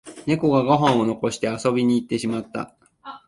ネコがご飯を残して遊びに行ってしまった